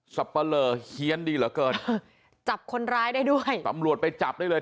ปะเลอเฮียนดีเหลือเกินจับคนร้ายได้ด้วยตำรวจไปจับได้เลย